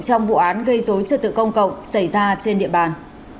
trong vụ án gây dối trật tự công cộng xảy ra trên địa bàn